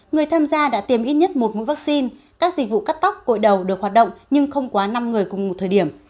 người tham gia đã tiêm ít nhất một mũi vaccine các dịch vụ cắt tóc cội đầu được hoạt động nhưng không quá năm người cùng một thời điểm